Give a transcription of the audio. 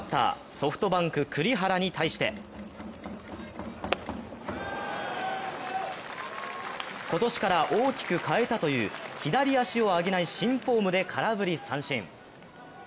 ソフトバンク・栗原に対して今年から大きく変えたという左足を上げない新フォームで空振り三振。